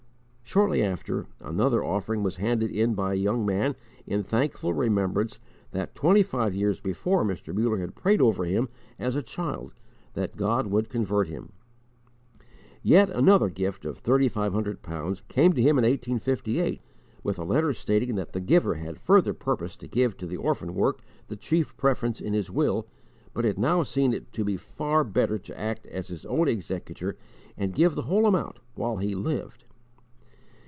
_ Shortly after, another offering was handed in by a young man in thankful remembrance that twenty five years before Mr. Muller had prayed over him, as a child, that God would convert him. Yet another gift, of thirty five hundred pounds, came to him in 1858, with a letter stating that the giver had further purposed to give to the orphan work the chief preference in his will, but had now seen it to be far better to act as his own executor and give the whole amount while he lived.